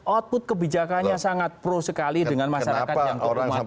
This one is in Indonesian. output kebijakannya sangat pro sekali dengan masyarakat yang kekuatan